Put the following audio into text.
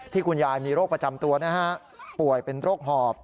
คุณยายมีโรคประจำตัวนะฮะป่วยเป็นโรคหอบ